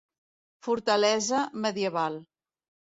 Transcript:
Fortalesa medieval.